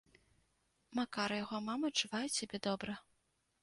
Макар і яго мама адчуваюць сябе добра.